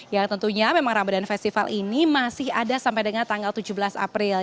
yang tentunya memang ramadan festival ini masih ada sampai dengan tanggal tujuh belas april